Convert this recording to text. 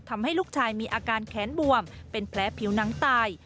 ทำให้ลูกชายมีอาการแขนบวมเป็นแผลผิวหนังตาย